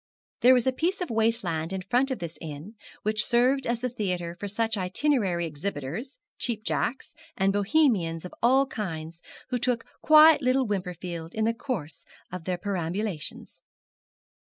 There was a piece of waste land in front of this inn which served as the theatre for such itinerary exhibitors, Cheap Jacks, and Bohemians of all kinds who took quiet little Wimperfield in the course of their perambulations.